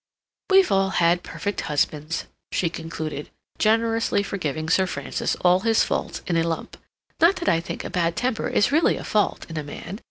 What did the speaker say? "We've all had perfect husbands," she concluded, generously forgiving Sir Francis all his faults in a lump. "Not that I think a bad temper is really a fault in a man.